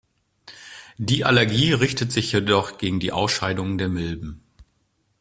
Die Allergie richtet sich jedoch gegen die Ausscheidungen der Milben.